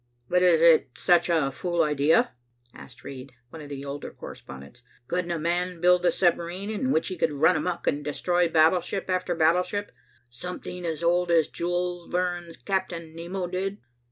"But is it such a fool idea?" asked Reid, one of the older correspondents. "Couldn't a man build a submarine in which he could run amuck and destroy battleship after battleship, something as old Jules Verne's Captain Nemo did?"